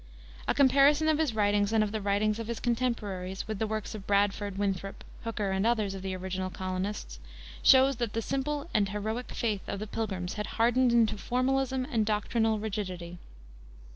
A comparison of his writings and of the writings of his contemporaries with the works of Bradford, Winthrop, Hooker, and others of the original colonists, shows that the simple and heroic faith of the Pilgrims had hardened into formalism and doctrinal rigidity.